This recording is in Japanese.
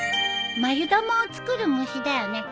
繭玉を作る虫だよね。